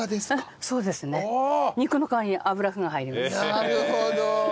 なるほど！